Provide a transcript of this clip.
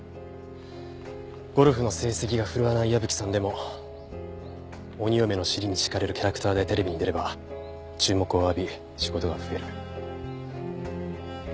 ゴルフの成績が振るわない矢吹さんでも鬼嫁の尻に敷かれるキャラクターでテレビに出れば注目を浴び仕事が増える。